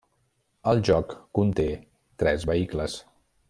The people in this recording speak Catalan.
El joc conté tres vehicles.